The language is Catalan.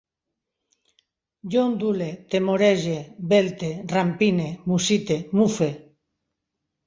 Jo ondule, temorege, volte, rampine, mussite, mufe